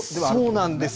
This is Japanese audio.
そうなんです。